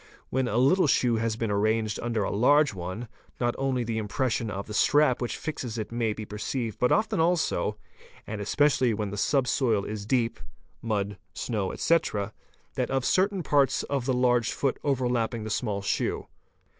When a little shoe has been arranged under a large one, not only the impression of the strap which fixes it may be perceived but often also, and especially when the sub soil is deep (mud, snow, etc.), that of cer tain parts of the large foot overlapping the small shoe.